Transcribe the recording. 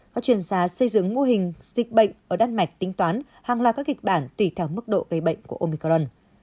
các chuyên gia xây dựng mô hình dịch bệnh ở đan mạch tính toán hàng loạt các kịch bản tùy theo mức độ gây bệnh của omicron